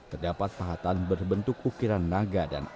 terdapat pahatan berbentuk ukiran naga dan